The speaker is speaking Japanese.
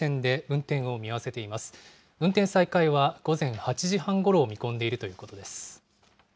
運転再開は午前８時半ごろを見込んでいるということです。